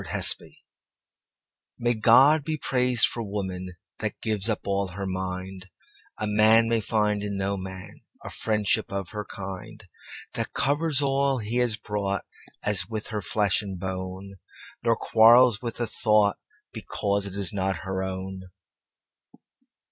On Woman MAY God be praised for womanThat gives up all her mind,A man may find in no manA friendship of her kindThat covers all he has broughtAs with her flesh and bone, Nor quarrels with a thoughtBecause it is not her own.